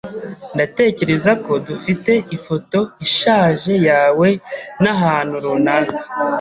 Ndatekereza ko dufite ifoto ishaje yawe na ahantu runaka.